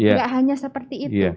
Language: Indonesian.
enggak hanya seperti itu